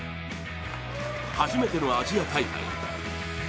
初めてのアジア大会。